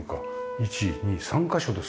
１２３カ所ですか？